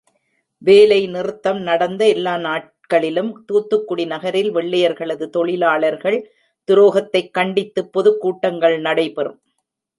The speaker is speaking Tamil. வேலை நிறுத்தம் நடந்த எல்லா நாட்களிலும், தூத்துக்குடி நகரில் வெள்ளையர்களது தொழிலாளர்கள் துரோகத்தைக் கண்டித்துப் பொதுக் கூட்டங்கள் நடைபெறும்.